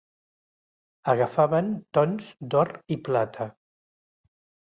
Agafaven tons d'or i plata.